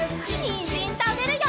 にんじんたべるよ！